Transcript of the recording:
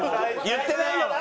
言ってないな？